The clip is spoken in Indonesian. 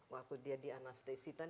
waktu dia di anestesi